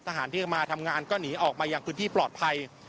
ทหารที่จะมาทำงานก็หนีออกมาอย่างพื้นที่ปลอดภัย